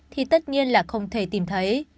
thì tất nhiên là không thể tìm thấy